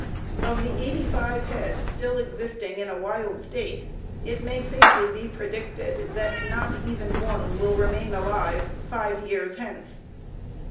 Of the eighty five head still existing in a wild state it may safely be predicted that not even one will remain alive five years hence.